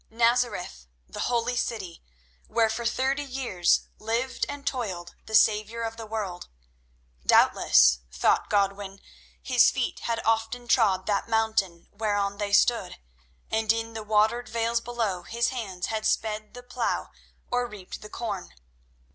Nazareth, the holy city, where for thirty years lived and toiled the Saviour of the world. Doubtless, thought Godwin, His feet had often trod that mountain whereon they stood, and in the watered vales below His hands had sped the plow or reaped the corn.